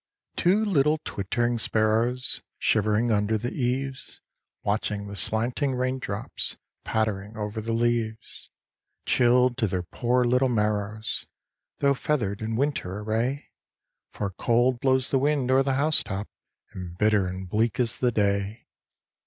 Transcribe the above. Two little twittering sparrows Shivering under the eaves, Watching the slanting raindrops Pattering over the leaves. Chilled to their poor little marrows, Though feathered in winter array, For cold blows the wind o'er the housetop And bitter and bleak is the day.